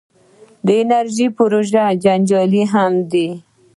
د انرژۍ پروژې جنجالي هم دي.